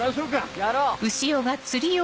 やろう！